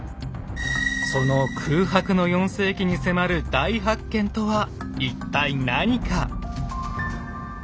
その空白の４世紀に迫る大発見とは一体何か。